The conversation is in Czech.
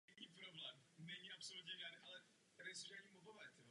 V této oblasti je stále širší škála komunikačních politik Unie.